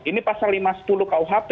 ini pasal lima sepuluh kuhp